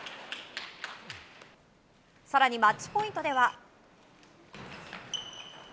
更にマッチポイントでは。